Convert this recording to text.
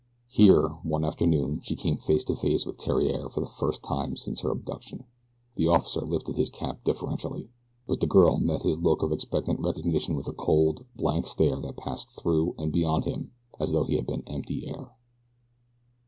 Here, one afternoon, she came face to face with Theriere for the first time since her abduction. The officer lifted his cap deferentially; but the girl met his look of expectant recognition with a cold, blank stare that passed through and beyond him as though he had been empty air.